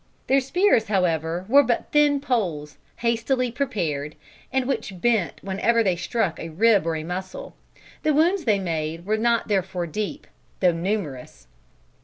Their spears, however, were but thin poles, hastily prepared, and which bent whenever they struck a rib or a muscle. The wounds they made were not therefore deep, though numerous.